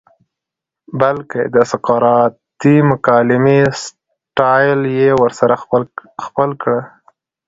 بلکه د سقراطی مکالمې سټائل ئې ورسره خپل کړۀ